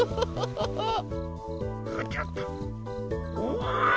うわ！